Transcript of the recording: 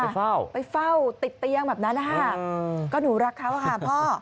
ไปเฝ้าติดเตียงแบบนั้นนะคะก็หนูรักเขาค่ะพ่อ